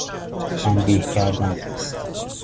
تنبیه کردن